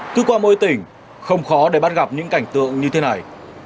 cứ qua mỗi tỉnh không khó để bắt gặp những cảnh tượng như thế này